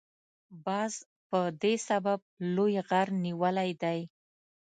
باز په دې سبب لوی غر نیولی دی.